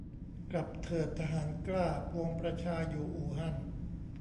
"กลับเถิดทหารกล้า ปวงประชาอยู่อู่ฮั่น"